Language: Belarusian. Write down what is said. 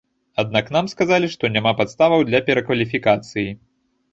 Аднак нам сказалі, што няма падставаў для перакваліфікацыі.